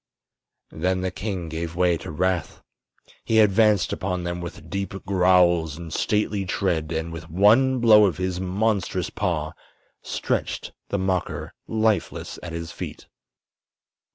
Then the king gave way to wrath. He advanced upon them with deep growls and stately tread and with one blow of his monstrous paw stretched the mocker lifeless at his feet.